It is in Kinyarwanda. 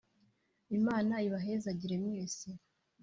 Imana ibahezagire mwese